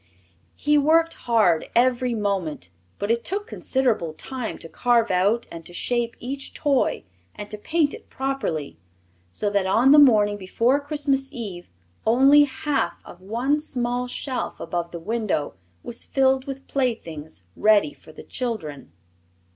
He worked hard every moment, but it took considerable time to carve out and to shape each toy and to paint it properly, so that on the morning before Christmas Eve only half of one small shelf above the window was filled with playthings ready for the children.